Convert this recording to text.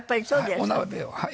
お鍋をはい。